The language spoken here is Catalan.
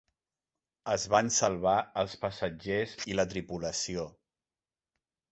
Es van salvar els passatgers i la tripulació.